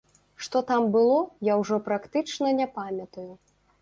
Што там было, я ўжо практычна не памятаю.